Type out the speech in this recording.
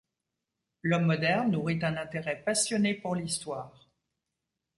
L'homme moderne nourrit un intérêt passionné pour l'histoire.